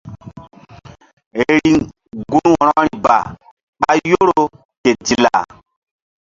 Riŋ gun wo̧rori ba ɓa yoro ke dilla.